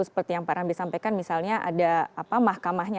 seperti yang pak ramli sampaikan misalnya ada mahkamahnya